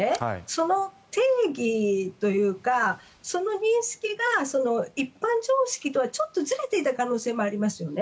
その定義というかその認識が一般常識とはちょっとずれていた可能性もありますよね。